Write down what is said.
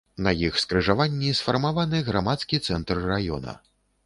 На іх скрыжаванні сфармаваны грамадскі цэнтр раёна.